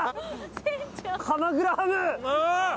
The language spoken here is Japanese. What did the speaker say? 鎌倉ハム。